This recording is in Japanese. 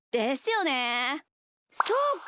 そうか！